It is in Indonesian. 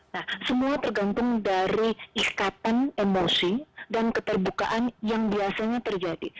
nah semua tergantung dari ikatan emosi dan keterbukaan yang biasanya terjadi